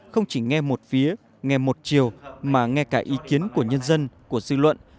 không chỉ nghe một phía nghe một chiều mà ngay cả ý kiến của nhân dân của dư luận